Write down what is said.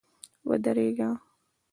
ودرېږه!